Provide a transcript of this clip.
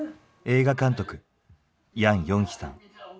映画監督ヤンヨンヒさん。